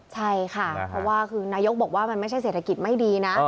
ใช่ค่ะเพราะว่าคือนายกบอกว่ามันไม่ใช่เศรษฐกิจไม่ดีนะ